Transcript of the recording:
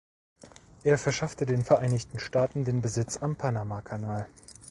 Er verschaffte den Vereinigten Staaten den Besitz am Panamakanal.